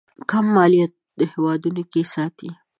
کم مالياتو هېوادونو کې ساتي.